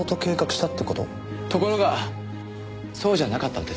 ところがそうじゃなかったんです。